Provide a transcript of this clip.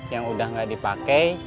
yang udah gak dipake